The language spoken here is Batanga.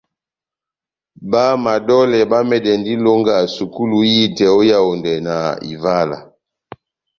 Bá madolè bá mɛdɛndi ilonga sukulu ihitɛ ó Yaondɛ na Ivala.